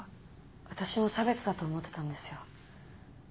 私も差別だと思ってたんですよ。